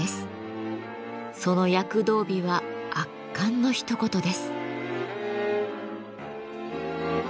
その躍動美は圧巻のひと言です。